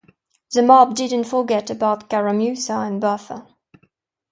The mob didn't forget about Caramusa and Buffa.